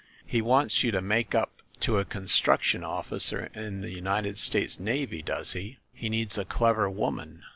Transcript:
He wants you to make up to a construction officer in the United States navy, does he? He needs a clever woman!